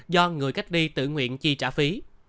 do người cách ly tự nguyện chi trả phí